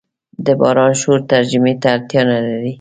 د باران شور ترجمې ته اړتیا نه لري.